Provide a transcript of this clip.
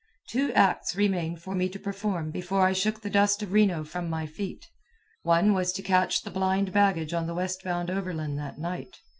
Two acts remained for me to perform before I shook the dust of Reno from my feet. One was to catch the blind baggage on the westbound overland that night.